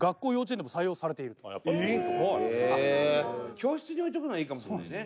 教室に置いておくのはいいかもしれないね。